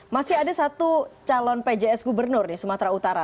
masih ada satu calon pjs gubernur di sumatera utara